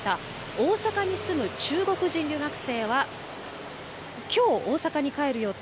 大阪に住む中国人留学生はきょう大阪に帰る予定。